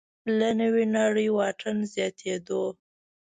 له نوې نړۍ واټن زیاتېدو